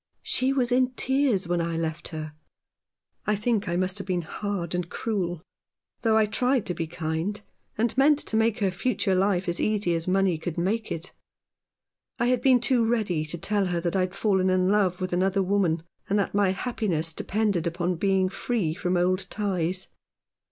She was in tears when I left her. I think I must have been hard and cruel, though I tried to be kind, and meant to make her future life as easy as money could make it. I had been too ready to tell her that I had fallen in love with another woman, and that my happiness depended upon being free from old ties.